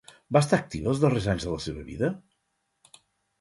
Va estar activa els darrers anys de la seva vida?